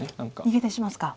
逃げ出しますか。